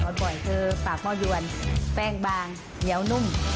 บ่อยคือปากหม้อยวนแป้งบางเหนียวนุ่ม